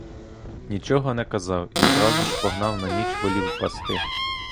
Нічого не казав і зразу ж погнав на ніч волів пасти.